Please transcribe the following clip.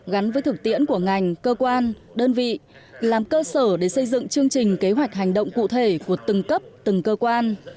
gắn với thực tiễn của ngành cơ quan đơn vị làm cơ sở để xây dựng chương trình kế hoạch hành động cụ thể của từng cấp từng cơ quan